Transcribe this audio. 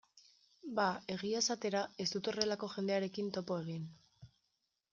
Ba, egia esatera, ez dut horrelako jendearekin topo egin.